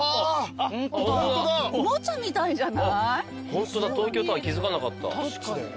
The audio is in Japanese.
ホントだ東京タワー気付かなかった。